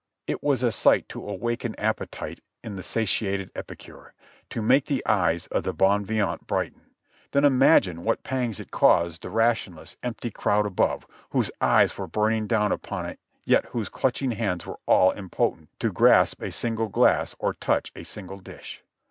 It was a sight to awaken appetite in the satiated epicure, to make the eyes of the bon vivant brighten; then imagine what pangs it caused the rationless, empty crowd above, whose eyes were burning down upon it yet whose clutching hands were all impotent to grasp a single glass or touch a single dish.